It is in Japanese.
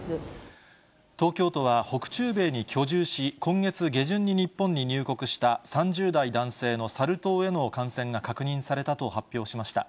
東京都は、北中米に居住し、今月下旬に日本に入国した３０代男性のサル痘への感染が確認されたと発表しました。